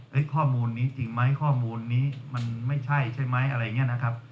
ข้อมูลนี้จริงไหมข้อมูลนี้มันไม่ใช่ใช่ไหมอะไรอย่างนี้นะครับ